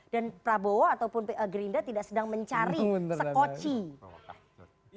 dan prabowo ataupun gerinda tidak sedang mencari sekoci